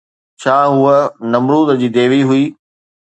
ڇا هوءَ نمرود جي ديوي هئي؟